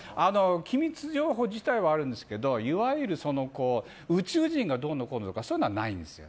機密情報自体はあるんですけどいわゆる宇宙人がどうのとかそういうのはないんです。